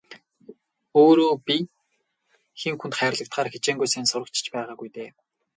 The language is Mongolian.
Өөрөө би хэн хүнд хайрлагдахаар хичээнгүй сайн сурагч ч байгаагүй дээ.